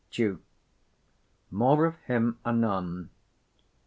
145 Duke. More of him anon.